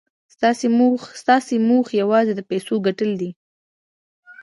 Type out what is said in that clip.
ستاسې موخه یوازې د پیسو ګټل دي